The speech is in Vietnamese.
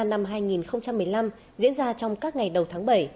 năm hai nghìn một mươi năm diễn ra trong các ngày đầu tháng bảy